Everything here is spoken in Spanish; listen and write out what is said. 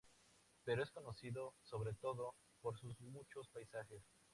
Pero es conocido, sobre todo, por sus muchos paisajes.